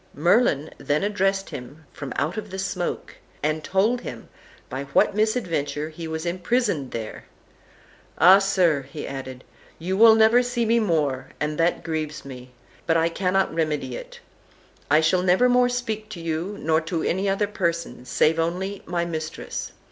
Merlin then addressed him from out the smoke, and told him by what misadventure he was imprisoned there. "Ah, sir!" he added, "you will never see me more, and that grieves me, but I cannot remedy it; I shall never more speak to you, nor to any other person, save only my mistress.